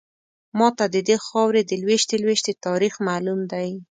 ماته ددې خاورې د لویشتې لویشتې تاریخ معلوم دی.